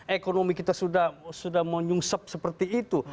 ekonomi kita sudah menyungsep seperti itu